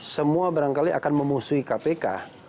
semua barangkali akan memusuhi kpk